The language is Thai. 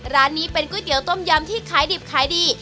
ร้านนี้เป็นก๋วยเตี๋ยต้มยำที่ขายดิบขายดี